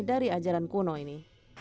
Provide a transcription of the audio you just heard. dari ajaran kuno ini